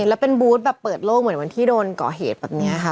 แล้วเป็นบูธแบบเปิดโลกเหมือนวันที่โดนก่อเหตุแบบนี้ค่ะ